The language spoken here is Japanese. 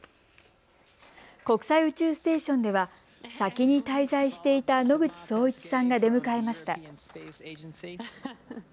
国際宇宙ステーションでは先に滞在していた野口聡一さんが出迎えました。